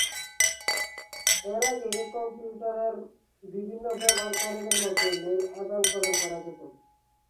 এর আগে একই কম্পিউটারের বিভিন্ন ব্যবহারকারীদের মধ্যে মেইল আদান-প্রদান করা যেত।